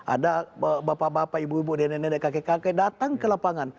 ada bapak bapak ibu ibu nenek nenek kakek kakek datang ke lapangan